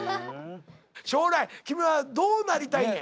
将来君はどうなりたいねん？